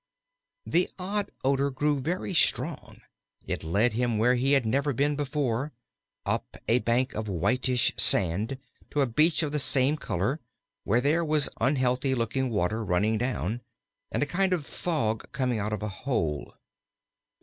The odd odor grew very strong; it led him where he had never been before up a bank of whitish sand to a bench of the same color, where there was unhealthy looking water running down, and a kind of fog coming out of a hole.